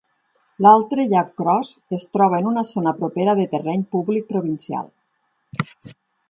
L'altre llac Cross es troba en una zona propera de terreny públic provincial.